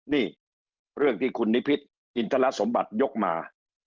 นี่เรื่องที่คุณนิพิษอินทรสมบัติยกมา